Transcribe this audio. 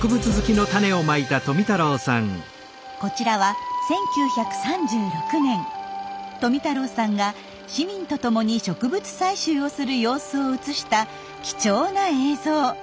こちらは１９３６年富太郎さんが市民と共に植物採集をする様子を写した貴重な映像。